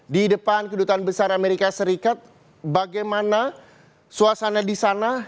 di depan kedutaan besar amerika serikat bagaimana suasana di sana